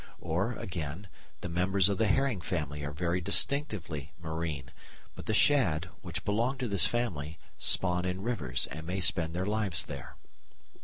Or, again, the members of the herring family are very distinctively marine, but the shad, which belong to this family, spawn in rivers and may spend their lives there.